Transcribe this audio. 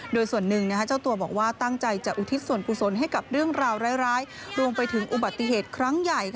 โดยส่วนหนึ่งเจ้าตัวบอกว่าตั้งใจจะอุทิศส่วนกุศลให้กับเรื่องราวร้ายรวมไปถึงอุบัติเหตุครั้งใหญ่